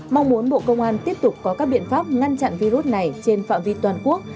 mong muốn bộ công an tiếp tục có các biện pháp ngăn chặn virus này trên phạm vi toàn quốc